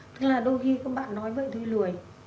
tức là đôi khi các bạn nói vậy thôi lười